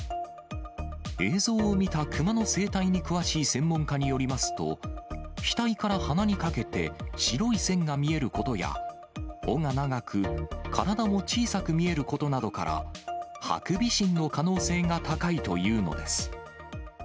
映像を見た熊の生態に詳しい専門家によりますと、額から鼻にかけて白い線が見えることや、尾が長く、体も小さく見えることなどから、ハクビシンの可能性が高いというのです。